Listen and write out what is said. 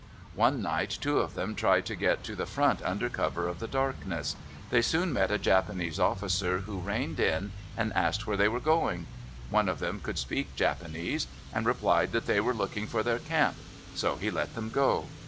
One night two of them tried to get to the front under cover of the darkness. They soon met a Japanese officer, who reined in and asked where they were going. One of them could speak Japanese, and replied that they were looking for their camp. So he let them go.